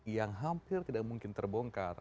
yang hampir tidak mungkin terbongkar